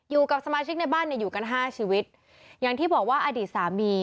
อยู่กับสมาชิกในบ้านเนี่ยอยู่กันห้าชีวิตอย่างที่บอกว่าอดีตสามี